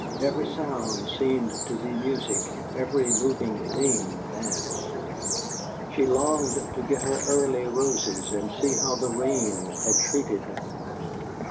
Every sound seemed to be music, every moving thing danced. She longed to get to her early roses, and see how the rain had treated them.